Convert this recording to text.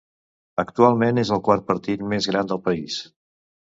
Actualment és el quart partit més gran del país.